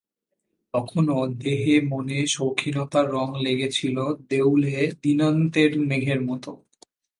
তখনও দেহে মনে শৌখিনতার রঙ লেগে ছিল দেউলে দিনান্তের মেঘের মতো।